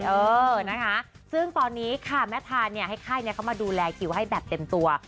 เออนะคะซึ่งตอนนี้ค่ะแม่ทานเนี่ยให้ค่ายเขามาดูแลคิวให้แบบเต็มตัว